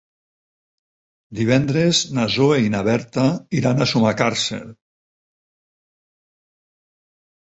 Divendres na Zoè i na Berta iran a Sumacàrcer.